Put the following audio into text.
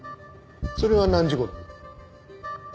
それは何時頃？